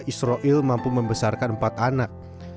israel mampu membesarkan empat anak